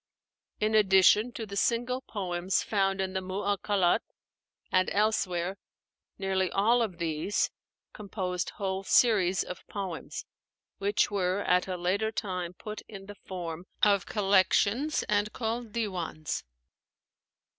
In addition to the single poems found in the 'Mu 'allakât' and elsewhere, nearly all of these composed whole series of poems, which were at a later time put in the form of collections and called 'Diwans.'